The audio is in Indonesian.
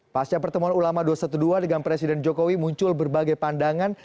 pasca pertemuan ulama dua ratus dua belas dengan presiden jokowi muncul berbagai pandangan